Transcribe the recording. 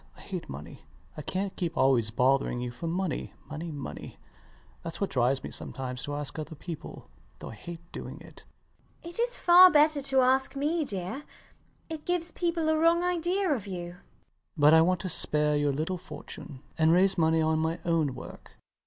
I hate money. I cant keep always bothering you for money, money, money. Thats what drives me sometimes to ask other people, though I hate doing it. MRS DUBEDAT. It is far better to ask me, dear. It gives people a wrong idea of you. LOUIS. But I want to spare your little fortune, and raise money on my own work.